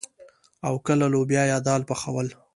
او کله لوبيا يا دال پخول.